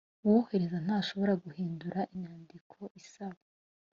uwohereza ntashobora guhindura inyandiko isaba